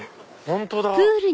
本当だ！